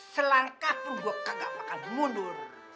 selangkah pun gua kagak bakal mundur